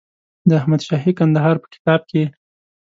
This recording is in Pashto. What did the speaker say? د احمدشاهي کندهار په کتاب کې.